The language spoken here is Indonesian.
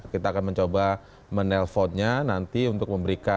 kita akan mencoba menelponnya nanti untuk memberikan